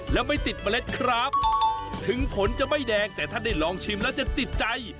แล้วไม่ติดเมล็ดครับถึงผลจะไม่แดงแต่ถ้าได้ลองชิมแล้วจะติดใจ